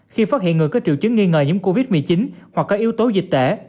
khi phát hiện người có triệu chứng nghi ngờ nhiễm covid một mươi chín hoặc các yếu tố dịch tễ